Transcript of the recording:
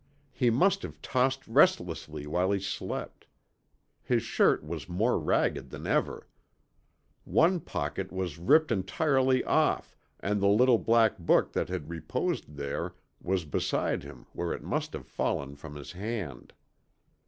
He must have tossed restlessly while he slept. His shirt was more ragged than ever. One pocket was ripped entirely off and the little black book that had reposed there was beside him where it must have fallen from his hand.